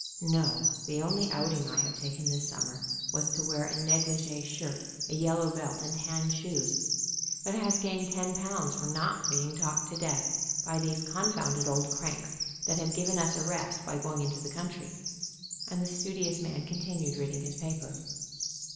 "No, the only outing I have taken this summer was to wear a negligee shirt, a yellow belt and tan shoes, but I have gained ten pounds from not being talked to death by these confounded old cranks that have given us a rest by going into the country," and the studious man continued reading his paper.